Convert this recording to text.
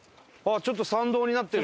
ちょっと参道になってる。